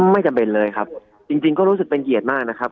ไม่จำเป็นเลยครับจริงจริงก็รู้สึกเป็นเกียรติมากนะครับ